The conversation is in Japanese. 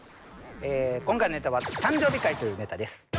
今回のネタは「誕生日会」というネタです